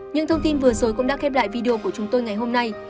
những thông tin vừa rồi cũng đã khép lại video của chúng tôi ngày hôm nay